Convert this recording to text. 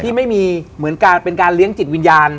ที่ไม่มีเหมือนการเป็นการเลี้ยงจิตวิญญาณ